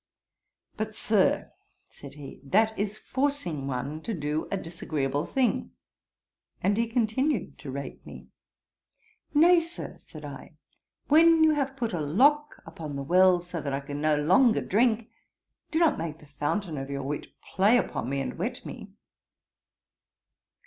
'But, Sir, (said he,) that is forcing one to do a disagreeable thing:' and he continued to rate me. 'Nay, Sir, (said I,) when you have put a lock upon the well, so that I can no longer drink, do not make the fountain of your wit play upon me and wet me.'